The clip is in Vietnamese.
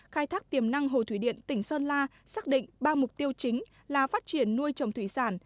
khai thác tiềm năng hồ thủy điện tỉnh sơn la xác định ba mục tiêu chính là phát triển nuôi trồng thủy sản